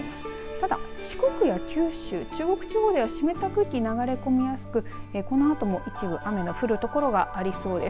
ただ四国や九州、中国地方では湿った空気が流れ込みやすくこのあとも一部雨の降るところがありそうです。